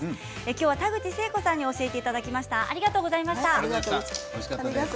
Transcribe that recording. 今日は田口成子さんに教えていただきました。